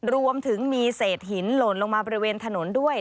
รวมถึงมีเศษหินหล่นลงมาบริเวณถนนด้วย